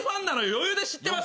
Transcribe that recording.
余裕で知ってます。